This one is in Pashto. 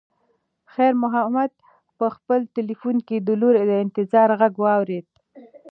خیر محمد په خپل تلیفون کې د لور د انتظار غږ واورېد.